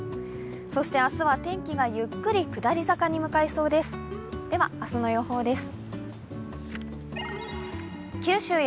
そして明日は天気がゆっくり下り坂に向かいそうです。